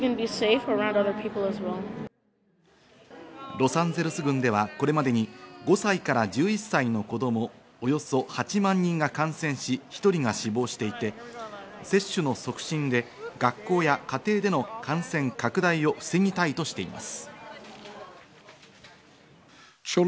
ロサンゼルス郡ではこれまでに５歳から１１歳の子供およそ８万人が感染し、１人が死亡していて、接種の促進で学校や家庭での感染拡大を防ぎたいとしています。